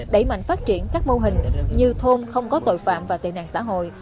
đẩy mạnh phát triển các mô hình như thôn không có tội phạm và tệ nạn xã hội